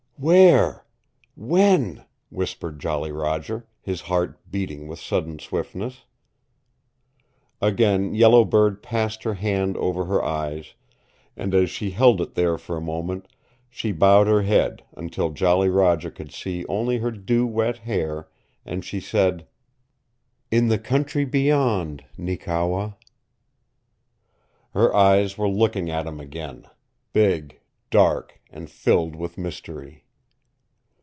"Where? When?" whispered Jolly Roger, his heart beating with sudden swiftness. Again Yellow Bird passed her hand over her eyes, and as she held it there for a moment she bowed her head until Jolly Roger could see only her dew wet hair and she said, "In the Country Beyond, Neekewa." Her eyes were looking at him again, big, dark and filled with mystery.